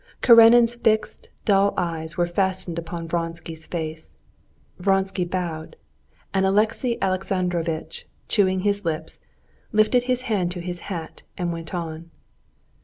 Karenin's fixed, dull eyes were fastened upon Vronsky's face. Vronsky bowed, and Alexey Alexandrovitch, chewing his lips, lifted his hand to his hat and went on.